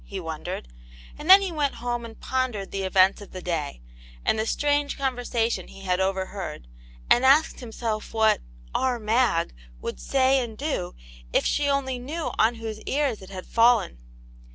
'* he wondered, and then he went home and pondered over the events of the day, and the strange conversation he had overheard, and asked himself what " our Mag " would say and do if she only knew on whose ears it had fallen.